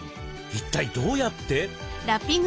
一体どうやって？